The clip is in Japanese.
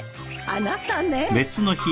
あなたね。